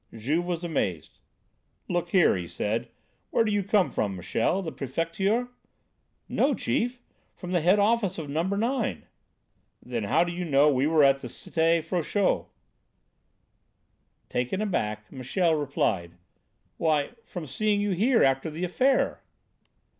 Juve was amazed. "Look here," he said, "where do you come from, Michel? The Prefecture?" "No, chief, from the head office of No. IX." "Then how do you know we were at the Cité Frochot?" Taken aback, Michel replied: "Why, from seeing you here, after the affair."